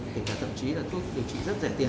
thực ra thậm chí là thuốc điều trị rất rẻ tiền